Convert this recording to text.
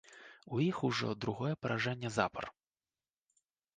У іх ужо другое паражэнне запар.